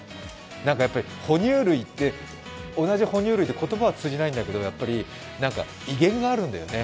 なんかやっぱり哺乳類って、同じ哺乳類で言葉は通じないんだけど、威厳があるんだよね。